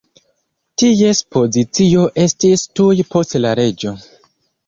Ties pozicio estis tuj post la reĝo.